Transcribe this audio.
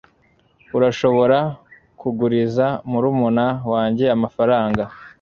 urashobora kuguriza murumuna wanjye amafaranga